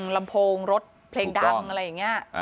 ลำโพงรถเพลงดังอะไรอย่างนี้